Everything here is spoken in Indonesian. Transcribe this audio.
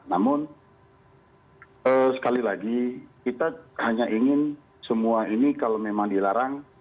namun sekali lagi kita hanya ingin semua ini kalau memang dilarang